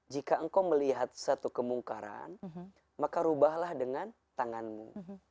jika engkau melihat satu kemungkaran maka rubahlah dengan tanganmu